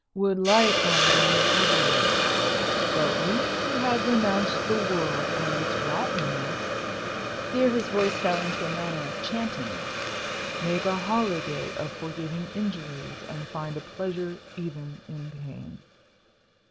" would light on thee heavily. But we who have renounced the world and its rottenness" (here his voice fell into a manner of chanting) "make a holiday of forgiving injuries, and find a pleasure even in pain."